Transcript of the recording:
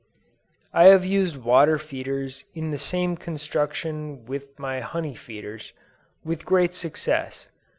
I have used water feeders of the same construction with my honey feeders, with great success.